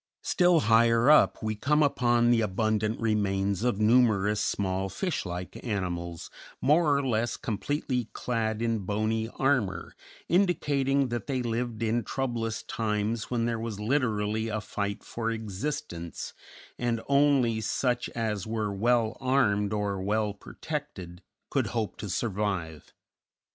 Still higher up we come upon the abundant remains of numerous small fish like animals, more or less completely clad in bony armor, indicating that they lived in troublous times when there was literally a fight for existence and only such as were well armed or well protected could hope to survive.